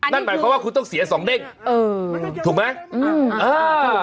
นั่นหมายความว่าคุณต้องเสียสองเด้งถูกไหม